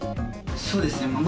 そうですね